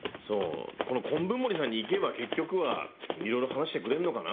この昆布森さんに行けば結局はいろいろ話してくれるのかな？